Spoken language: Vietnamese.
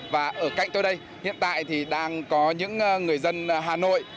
và ở cạnh tôi đây hiện tại thì đang có những người dân hà nội